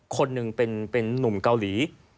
คนหนึ่งเป็นนุ่มเกาหลี